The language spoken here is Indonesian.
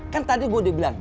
kan tadi gua udah bilang